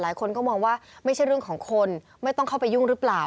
หลายคนก็มองว่าไม่ใช่เรื่องของคนไม่ต้องเข้าไปยุ่งหรือเปล่า